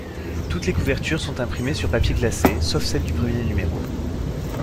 Toutes les couvertures sont imprimées sur papier glacé, sauf celle du premier numéro.